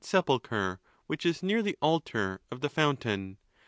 sepulchre which is near the altar of the fountain.